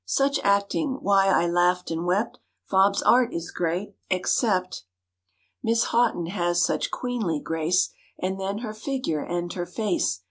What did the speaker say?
"Such acting! Why, I laughed and wept! Fobb's art is great except." "Miss Hautton has such queenly grace. And then her figure and her face!